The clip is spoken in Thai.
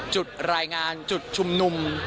จุดรายงานจุดชุมนุม